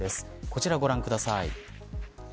こちらをご覧ください。